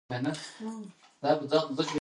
ډېر کله سترې زلزلې سخت ویجاړونکي او وژونکي هم وي.